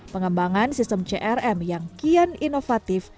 pengembangan sistem crm yang kian inovatif